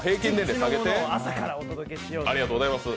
朝からお届けしようと。